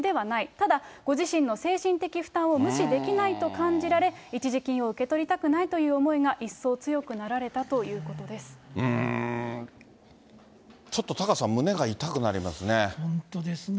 ただ、ご自身の精神的負担を無視できないと感じられ、一時金を受け取りたくないという思いが一層強くなられたというこちょっとタカさん、本当ですね。